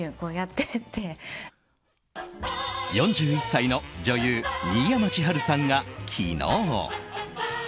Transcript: ４１歳の女優・新山千春さんが昨日。